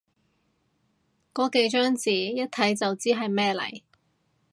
個幾張紙，一睇就知係咩嚟